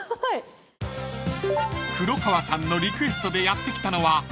［黒川さんのリクエストでやって来たのは］